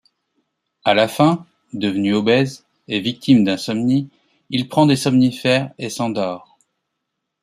À la fin, devenu obèse, et victime d'insomnie, il prend des somnifères et s'endort.